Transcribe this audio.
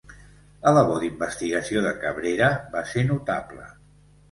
La labor d'investigació de Cabrera va ser notable.